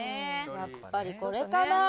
やっぱりこれかな？